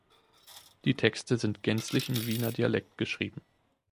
Die Texte sind gänzlich im Wiener Dialekt geschrieben.